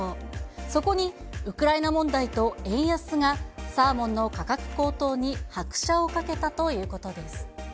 そこに、ウクライナ問題と円安が、サーモンの価格高騰に拍車をかけたということです。